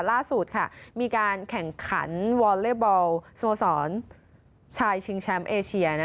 ล่าสุดมีการแข่งขันวอลเล็บอลสโมสรชายชิงแชมป์เอเชีย